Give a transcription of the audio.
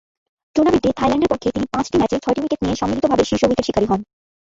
টুর্নামেন্টে থাইল্যান্ডের পক্ষে তিনি পাঁচটি ম্যাচে ছয়টি উইকেট নিয়ে সম্মিলিতভাবে শীর্ষ উইকেট শিকারী হন।